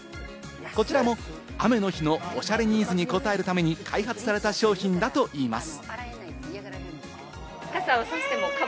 こちらも雨の日のおしゃれニーズに応えるために開発された商品だといいます。